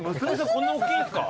こんなおっきいんすか？